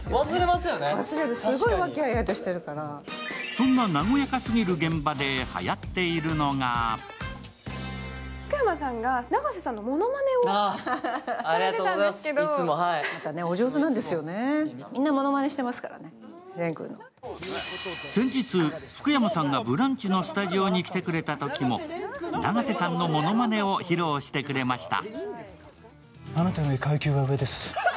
そんな和やかすぎる現場ではやってるのが先日、福山さんが「ブランチ」のスタジオに来てくれたときも永瀬さんのものまねを披露してくれました。